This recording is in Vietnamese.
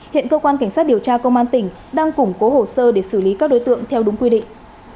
hiện cơ quan cảnh sát điều tra công an tỉnh đang củng cố hồ sơ để xử lý các đối tượng theo đúng quy định